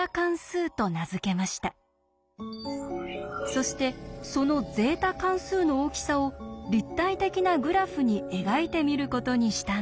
そしてそのゼータ関数の大きさを立体的なグラフに描いてみることにしたんです。